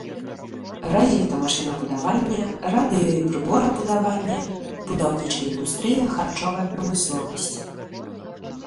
Развіта машынабудаванне, радыё- і прыборабудаванне, будаўнічая індустрыя, харчовая прамысловасць.